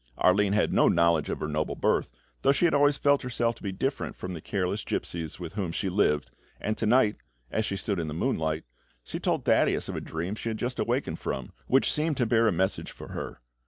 Arline had no knowledge of her noble birth, though she had always felt herself to be different from the careless gipsies with whom she lived, and to night, as she stood in the moonlight, she told Thaddeus of a dream she had just awakened from, which seemed to bear a message for her.